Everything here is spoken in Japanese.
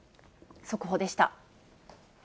速報でした。